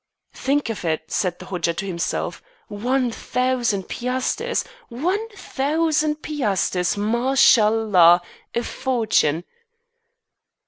"Think of it," said the Hodja to himself, "one thousand piasters! One thousand piasters! Mashallah! a fortune."